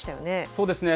そうですね。